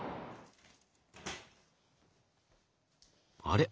あれ？